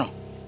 onu agak pilih